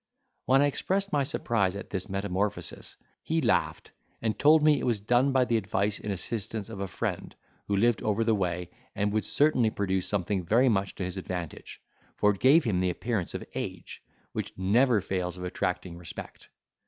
When I expressed my surprise at this metamorphosis, he laughed, and told me it was done by the advice and assistance of a friend, who lived over the way, and would certainly produce something very much to his advantage; for it gave him the appearance of age, which never fails of attracting respect.